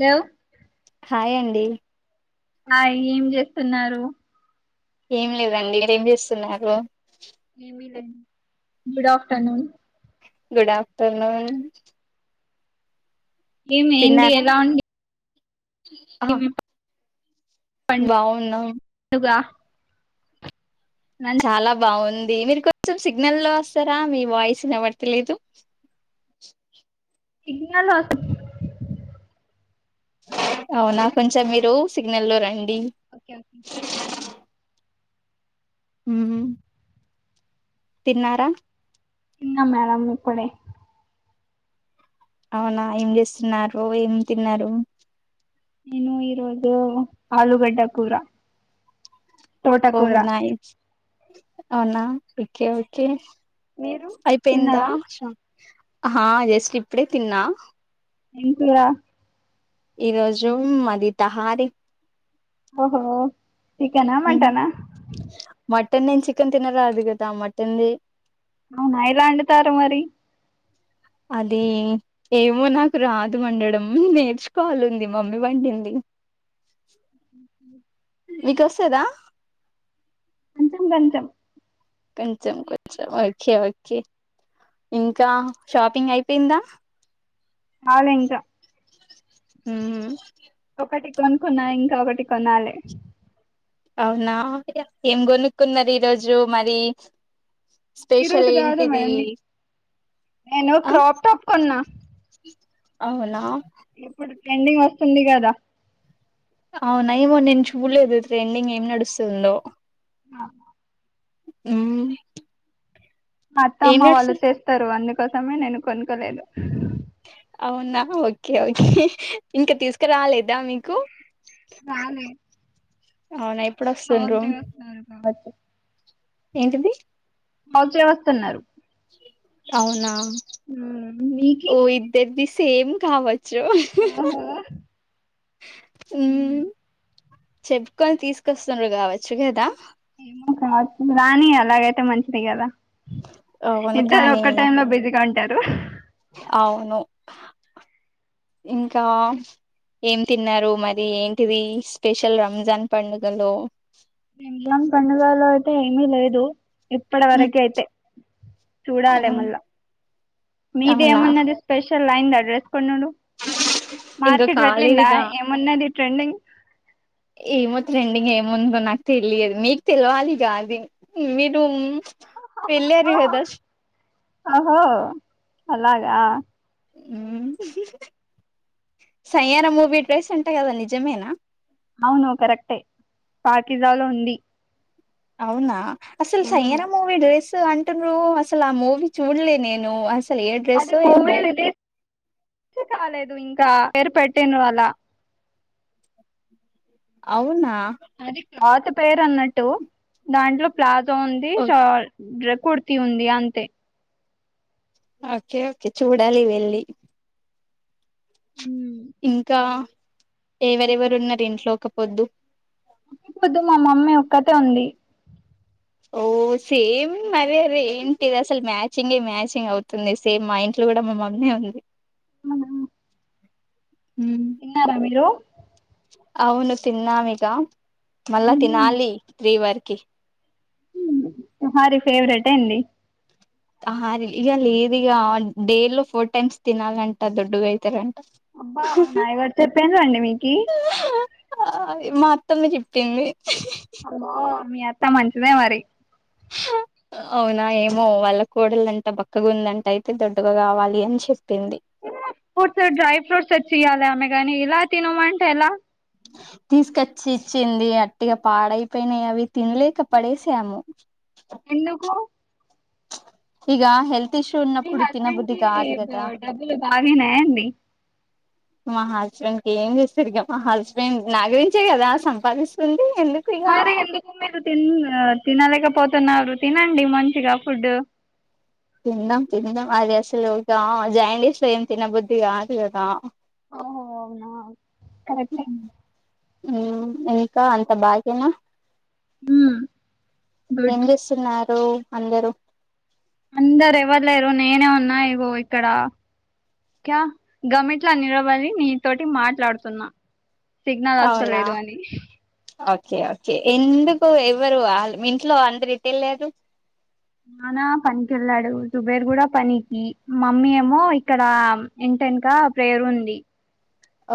లో హయాండి ఆ ఏం చేస్తున్నారు ఏం లేదండి మీరు ఏం చేస్తున్నారు ఏమిలే గుడ్ ఆఫ్టర్నూన్ గుడ్ ఆఫ్టర్నూన్ ఏమి ఏంది తిన్నారా ఎలా ఉండి ఆ బావున్నా గా చాలా బాగుంది అ మీరు కొంచెం సిగ్నల్ లో వస్తారా మీ వాయిస్ నిబర్తలేదు ఇది అలోస అవునా కొంచెం మీరు సిగ్నల్ లో రండి ఓకే ఓకే అ హ తిన్నారా ఇన్న మేడంమ్ ఇప్పుడే అవునా ఏం చేస్తున్నారు ఏం తిన్నారు నేను ఇరోదు ఆలుూగడ్డ పూర ఓ ఉన్నాయి అవునా ఓకే ఓకే మీరు అయిపోయిందా తిన్నారా ఆశ ఆహా జస్ట్ ఇప్పుడే తిన్నా ఎం కురా ఈరోజు మాది తహారి ఓహో చికెనా మటనా మటన్ నేను చికెన్ తినరాదు కదా మటన్ది అవునా ఎలా అండుతారు మరి అది ఏమో నాకు రాదు వండడం నేర్చుకోవాలుంది మమ్మీ వండింది ఉ ఉ మీకు వస్తదా కొంచెం గొంచం కొంచెం కొంచెం ఓకే ఓకే ఇంకా షాపింగ్ అయిపోయిందా కాలే ఇంకా మ్మ్ ఒకటి కొనుకున్నా ఇంకా ఒకటి కొనాలే అవునా ఏం కొనుక్కున్నారు ఈరోజు మరి స్పెషల్ ఈరోజు కాదు ఏంటిది మేడం నేను ఆ క్రాప్ టాప్ కొన్నా అవునా ఇప్పుడు ట్రెండింగ్ వస్తుంది కదా అవునా ఏమో నేను చూడలేదు ట్రెండింగ్ ఏం నడుస్తుందో అ మ్మ్ ఏం అత్తమ్మ వాళ్ళు నడుస్తు తెస్తరు అందు కోసమే నేను కొనుక్కలేదు అవునా ఓకే ఓకే ఇంకా తీసుకురాలేదా మీకు రాలే అవున ఎప్ తర్స్ డే వస్తారట ఏంటిది తర్స్ డే వస్తున్నారు అవునా మీకి ఓ ఇద్దరిది సేమ్ కావ చూ ఓహో ఉ చెప్పుకొని తీసుకొస్తురు కావచ్చు కదా ఏమో కావచ్చు రాని అలాగైతే మంచిదే కదా అవును ఇద్దరు కానీ ఒక్క టైమ్ లో బిజిగా ఉంట తరు అవును ఇంకా ఏం తిన్నారు మరి ఏంటిది స్పెషల్ రంజాన్ పండుగలో ఏమి లేదు మ్మ్ ఇప్పటివరకు అయితే చూడాలి అవును మల్ల మీది అవునా ఏమన్నది స్పెషల్ సార్ లైడి అడ్రెస్ కొండండు ఇంకా మార్కెట్ వళ్లింద కాలేదుగా ఏమన్నది ట్రెండింగ్ ముందు నాకు తెలియదు మీకు తెలివాలి కాది మీరు వేలిరు కాదా ఆ ఓహో అలాగా సయ్యార మూవీ డ్రెస్ ఉంటా కదా నిజమేనా అవును కరెక్టే పాకిజా లో ఉంది అవునా అసలు మ్మ్ సయ్యరా మూవీ డేస్ అంటున్నారు అసలు ఆ మూవీ చూడలే నేను అస అది మూవీ లిటిల్ మంచి కాలేదు ఇంకా పేరు పెట్టను అలా అవునా అది క్లాతుప్ పేరు అన్నట్టు దాంట్లో ప్లాజ్ తుంది ఓ- ష డ్రిప్ కుర్తి ఉంది అంతే అకే చూడాలి వెళ్ళి మ్మ్. ఇంకా ఎవరెవరు ఉన్నారు ఇంట్లో ఒక వద్దు వద్దు మా మమ్మీ ఒక్కతే ఉంది ఓ సేమ్ అదే అదే ఏంటిది అసలు మ్యాచింగే మ్యాచింగ్ అవుతుంది సేమ్ మా ఇంట్లో కూడా మా మమ్మినే ఉంది అవును ఉమ్. తిన్నారా మీరు అవును తిన్నాం ఇగ మల్ల తినాలి త్రీ వరకు కే తహారి ఫేవరట్ ఎంది ఆహా ఇగ లేదు ఇగ డేలో ఫోర్ టైమ్స్ తినాలంట దొడ్డుగా అయితర అబ్బా అవునా ఎవరు చెప్పారూ అండి మీకు ఆ మా అత్తమ్మ చెప్పింది అమ్మ మీ అత్త మంచిదే మరి అవునా ఏమో వాళ్ళ కోడలంటా బక్కగుందంట అయితే దొడ్డుగా కావాలి అని చెప్ప ఫ్రూట్స్ డ్రై ఫ్రూట్స్ తెచ్చియ్యలే ఆమే దాన్ని ఇలా తినుమంటే ఎలా తీసుకొచ్చి ఇచ్చింది అట్టిగా పాడైపోయినాయి అవి తినలేక పడేసాము ఎందుకు ఇగ హెల్ మీ హస్బెండ్ కి డబ్బులు బాగానయండి మా హస్బెండ్ కి ఏం చేస్తారు ఇక మా హస్బెండ్ నా గురించే కదా సంపాదిస్తుంది ఎందుకు ఇక మరి ఎందుకు మీరూ తిన్ తినలేక పో తన్నారు తినండి మంచిగా ఫుడ్ తిందాం తిందాం అది అసలు జా జాయిండీస్ లో ఏం తినబుద్ధి కాదు కదా ఓహో అవునా కరెక్టే ఉ హు కా అంత బాగేనా మ్మ్ ఏం గుడ్ చేస్తున్నారు తు అందరు అందరు ఎవరు లేరు నేనే ఉన్నా ఇగో ఇక్కడ క గమిట్లా నిలవడి నీతోటి మాట్లాడుతున్నా సిగ్నల్ అవునా వస్తలేదు అని ఓకే ఓకే ఎందుకు ఎవరు ఇంట్లో అందరు ఏటేళ్ళారు నానా పనికి వెళ్ళాడు సుబేర్ కూడా పనికి మమ్మీ ఏమో ఇక్కడ ఇంటెనక ప్రేయరు ఉంది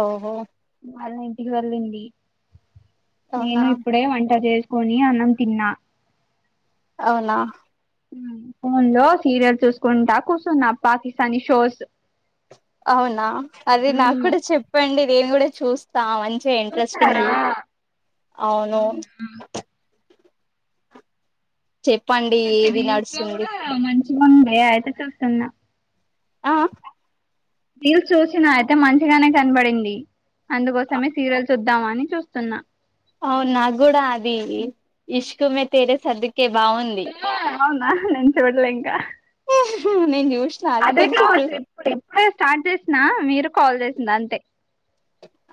ఓహో వాళ్ళ ఇంటికి వెళ్ళింది నేను అవునా ఇప్పుడే వంట చేస్ కోని అన్నం తిన్న అవునా ఉ ఫోన్ లో సీరియల్ చూసుకుంటా కూర్చున్నా పాకిస్తానీ షోస్ అవునా అది నాకు కూడా చెప్పండి నేను కూడా చూస్ తావన్ చే చూస్తారా ఇంట్రెస్టింగ్వి అవును చెప్పండి ఒకటి ఏది రీల్స్ లో నడుస్తుంది కూడా మంచిగా ఉండయి అయితే చూస్తున్నా ఆ రీల్స్ చూసినా అయితే మంచిగానే కనబడింది అందుకోసమే సీరియల్ చూద్ ద్దామని చూస్తున్నా అవునా నాకూడా ఈ ఇష్ the to May Tere సదిక్ okay బాగుంది అవునా నేను చూడలే ఇంకా నేను చూ చూసిన అది అదే కొంచెం కావ ఇప్పుడుప్పు స్టార్ట్ చేసిన మీరు కాల్ చేసింది అంతే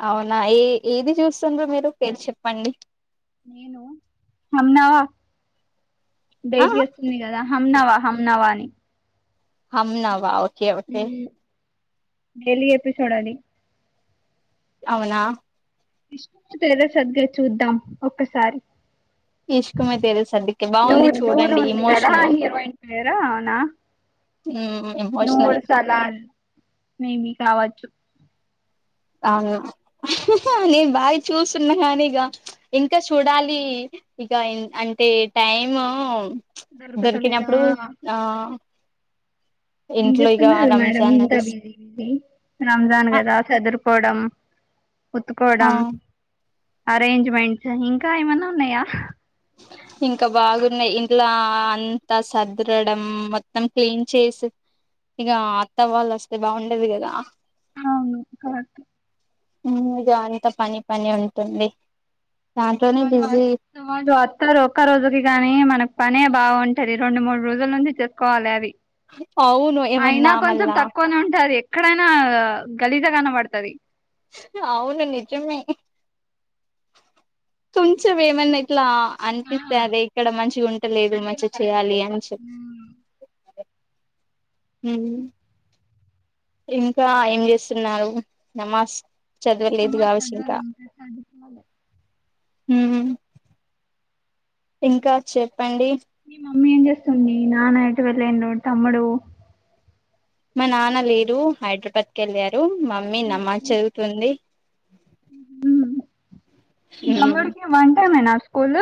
అవునా ఏ ఏది చూస్తుండో మీరు పేరు చెప్పండి నేను అమ్మేవ ఆ డైట్ చేస్తుంది కదా హమ్నావా హంనవాని హమ్నా బా ఒకే వస్తే డైలీ ఎపిసోడ్ అది అవునా ఇ తెర సరిగా చూద్దాం ఒక్కసారి ఇష్కమే దిల్ సర్దికే బాగుంది నూరు నూరు చూడండి ఉంది కదా ఇమోషనల్ హీరోయిన్ పేరు అవునా హమ్ ఇమోషనల్ మేమి కావచ్చు అవును నేను బాగా చూస్తున్నా కాని ఇక ఇంకా చూడాలి ఇక అంటే టైము దరికినే దొరుకుతలేదా అప్పుడు ఆ ఏం ఇంట్లో ఇక చేస్తున్నారు మేడం రంజాన్ ఇంత నడుస్ బిజీ బిజీ రంజాన్ ఆ కదా చదురుకోవడం ఆ ఉతుకోవడం అరేంజ్మెంట్స్ ఇంకా ఏమన్నా ఉన్నాయా ఇంకా బాగున్నాయి ఇంట్లో అంతా సదరడం మొత్తం క్లీన్ చేసి ఇక అత్త వాళ్ళ వస్తే బాగుండాదు కదా అవును కరెక్ట్ ఇద అంత పని పని ఉంటుంది చాట్నే బిజీ ఇస్తారు ఒక్క రోజుకి గానీ మనకి పనే బాగుంటది రెండు మూడు రోజుల నుంచి చేసుకోవాలి అవి అవును అయినా ఏమన్నా కొంచెం మళ్ళా తక్కువనే ఉంటారు ఎక్కడైనా గలీజగా మతది అవును నిజమే కొంచెం ఏమన్నా ఇట్లా అనిపిస్తే అదే ఇక్కడ మంచిగా ఉంటలేదు మంచిగా చేయాలి అ ష హమ్ ఇంకా ఏం చేస్తున్నారు నమాజ అమ్మ చదువాాల ఇం సాదిపోవాలి హ్మ్ ఇంకా చెప్ప ప్పండి మీ మమ్మీ ఏం చేస్తుంది నాన్న ఇటు వెళ్ళం తమ్ముడు మా నాన్న లేరు హైదరాబాద్ కి వెళ్ళారు మా మమ్మీ నమ్మా చదువుతుంది హ్మ్ ఇమడికి వన్ంటైమనా కోళ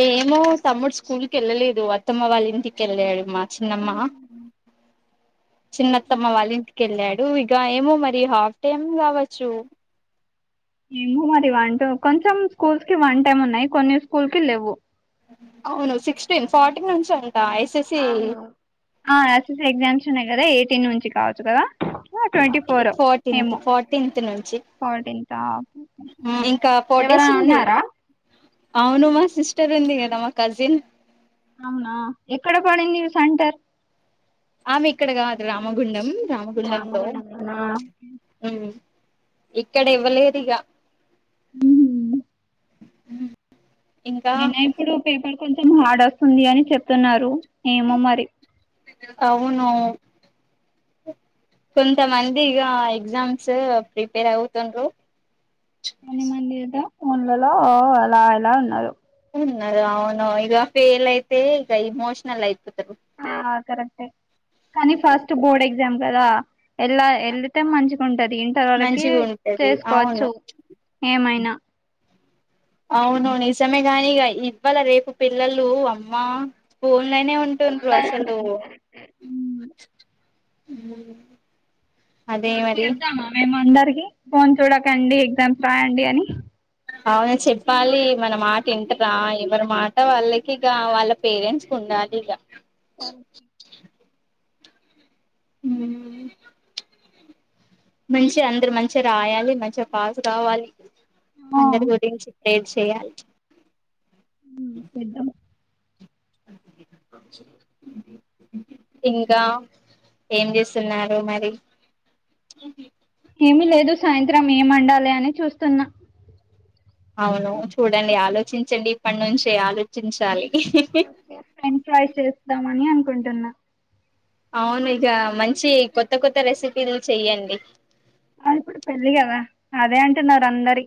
ఏమో తమ్ముడు స్కూల్కి వెళ్ళలేదు అత్తమ్మ వాళ్ళ ఇంటికి వెళ్ళాడు మా చిన్నమ్మా చిన్నత్తమ్మ వాళ్ళ ఇంటికి వెళ్ళాడు ఇక ఏమో మరి హాఫ్ డేనే కావచ్చు ఏమో మరి వన్ టు కొంచెం స్కూల్స్ కి వన్ టైమ్ ఉన్నాయి కొన్ని స్కూల్ కి లేవు అవును సిక్స్టీన్ ఫార్టీన్ నుంచి అ అవును హ ఎస్ ఎస్ సి ఎగ్జామ్స్ ఉన్నాయి కదా ఎయిటీన్ నుంచి కావచ్చు కదా ట్వంటీ ఫోర్ ఫోర్టీన్త్ ఏమో ఫోర్టీన్త్ నుంచి ఫోర్టీన్త్కా ఇంకా ఫోర్ ఎవరు డేస్ ఉంది అన్నరా అవును మా సిస్టర్ ఉంది గదా మా కజిన్ అవునా ఎక్కడ పడింది ఇగ సెంటర్ ఆమె ఇక్కడ కాదు రామగుండం రామగుండంలో రామగుండంలోనా ఉం ఇక్కడ ఇవ్వలేదిగా ఉహుం ఉం అయినా ఇప్పుడు పేపర్ కొంచెం హార్డ్ వర్క్ ఉంది అని చెప్తున్నారు ఏమో మరి అవును కొంతమంది ఇక ఎగ్జామ్స్ ప్రిపేర్ అవుతుండ్రు మన మంది దా మన్లలో అలా ఎలా ఉన్నారు అవును ఇగ ఫేల్ అయితే ఇగ ఇమోషనల్ అయిపోతరు ఆ కరెక్ట్ ఏ కానీ ఫస్ట్ బోర్డ్ ఎగ్జామ్ కదా ఎళ్లా వెళితే మంచిగుంటది ఇంతవరకి మంచిగా ఉంటది అవును చేసుకోవచ్చు ఏమైనా అవును నిజమే కానీక ఇవ్వాళ రేపు పిల్లలు అమ్మ ఫో ఉం ఉ చేపదామా మేము అందరికి ఫోన్ చూడకండి ఎగ్జామ్స్ రాయండి అని అవును చెప్పాలి మన మాట వింటరా ఎవరి మాట వాళ్ళకిక వాళ్ళ పేరెంట్స్ ఉండాలి ఇక సరే ఉం మంచిగా అందరు మంచిగా రాయాలి మంచిగా పాస్ కావాలి ఓ, అందరు గురించి ప్రేర్ చేయాలి చేద్దాం ఇంకా ఏం చేస్తున్నారు మరి ఏమి లేదు సాయంత్రం ఏ మండాలి అని చూస్తున్నా అవును చూడండి ఆలోచించండి ఇప్పటి నుంచి ఆలోచించాలి మని అనుకుంటున్నా అవును ఇక మంచి కొత్త కొత్త రెసిపీలు చెయ్యండి అ ఇప్పుడు పెళ్ళి కదా అదే అంటున్నారు అందరి